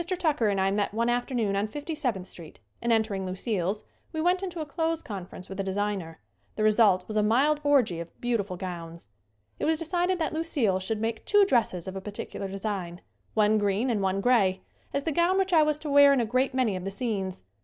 Tucker and I met one afternoon on Fifty seventh street and, entering Lucille's, we went into a clothes conference with a designer. The result was a mild orgy of beautiful gowns. It was decided that Lucille should make two dresses of a particular design, one green and one gray, as the gown which I was to wear in a great many of the scenes.